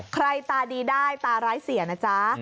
ตาดีได้ตาร้ายเสียนะจ๊ะ